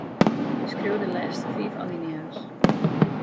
Skriuw de lêste fiif alinea's.